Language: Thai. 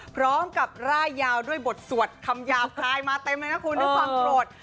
พร้อมกับร่ายยาวด้วยบทสวดคำหยาบคลายมาเต็มเลยนะคุณด้วยความโกรธ